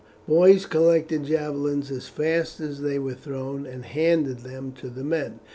Boys collected the javelins as fast as they were thrown, and handed them to the men.